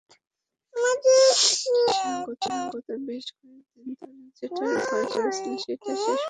গত বেশ কয়েকদিন ধরে যেটার ভয় করছিলাম সেটাই শেষ পর্যন্ত ঘটল!